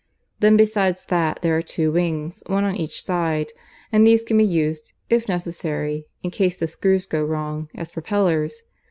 Then besides that there are two wings, one on each side, and these can be used, if necessary, in case the screws go wrong, as propellers.